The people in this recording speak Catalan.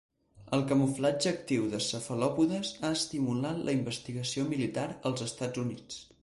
El camuflatge actiu de cefalòpodes ha estimulat la investigació militar als Estats Units.